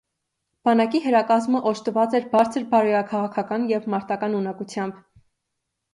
Բանակի հրամկազմը օժտված էր բարձր բարոյաքաղաքական և մարտական ունակությամբ։